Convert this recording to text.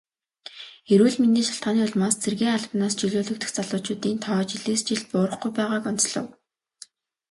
Эрүүл мэндийн шалтгааны улмаас цэргийн албанаас чөлөөлөгдөх залуучуудын тоо жилээс жилд буурахгүй байгааг онцлов.